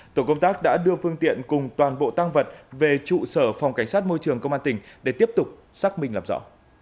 tổ công tác đã đưa phương tiện cùng toàn bộ tăng vật về trụ sở phòng cảnh sát môi trường công an tỉnh để tiếp tục xác minh làm rõ